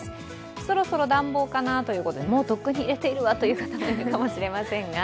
そろそろ暖房かなということで、もうとっくにいれているわという方もいるかもしれませんが。